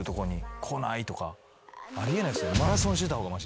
あり得ないっす。